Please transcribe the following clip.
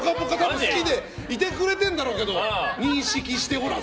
好きでいてくれてるんだろうけど認識しておらず。